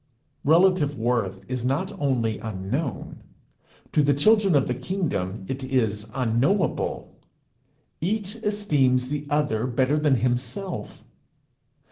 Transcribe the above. Relative worth is not only unknown to the children of the kingdom it is unknowable. Each esteems the other better than himself.